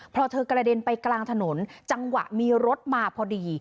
พอเธอกระเด็นไปกลางถนนจังหวะมีรถมาพอดี